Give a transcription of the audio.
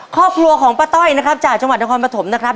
ครอบครัวของป้าต้อยนะครับจากจังหวัดนครปฐมนะครับ